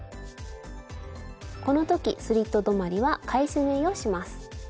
この時スリット止まりは返し縫いをします。